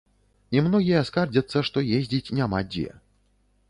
І многія скардзяцца, што ездзіць няма дзе.